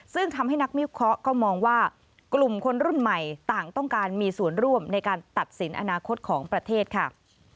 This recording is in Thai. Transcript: ซึ่งทำให้นักวิเคราะห์ก็มองว่ากลุ่มคนรุ่นใหม่ต่างต้องการมีส่วนร่วมในการตัดสินอนาคตของประเทศค่ะ